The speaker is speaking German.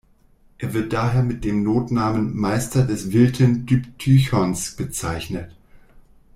Er wird daher mit dem Notnamen Meister des Wilton-Diptychons bezeichnet.